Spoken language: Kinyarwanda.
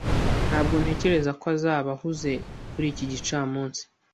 Ntabwo ntekereza ko azaba ahuze kuri iki gicamunsi.